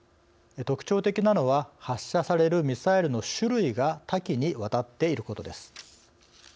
特徴的なのは発射されるミサイルの種類が多岐にわたっていることです。